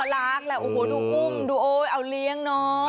โอลาลักษณ์แหละดูกุ้มดูเอาเลี้ยงน้อง